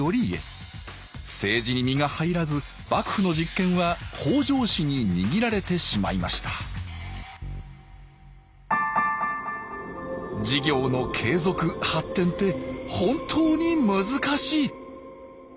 政治に身が入らず幕府の実権は北条氏に握られてしまいました事業の継続・発展って本当に難しい！